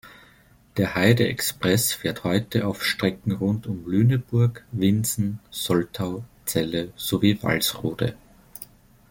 Der Heide-Express fährt heute auf Strecken rund um Lüneburg, Winsen, Soltau, Celle sowie Walsrode.